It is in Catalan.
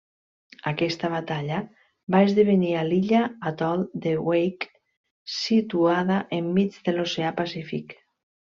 Aquesta batalla va esdevenir a l'illa atol de Wake, situada enmig de l'Oceà Pacífic.